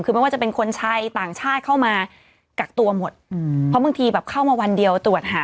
คือไม่ว่าจะเป็นคนไทยต่างชาติเข้ามากักตัวหมดอืมเพราะบางทีแบบเข้ามาวันเดียวตรวจหา